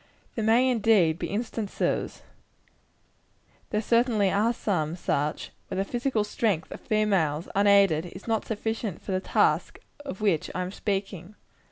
There may, indeed, be instances there certainly are some such where the physical strength of females, unaided, is not sufficient for the task of which I am speaking.